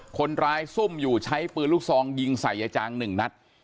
คนร้ายซุ่มอยู่ใช้ปืนลูกซองยิงใส่จาง๑นัด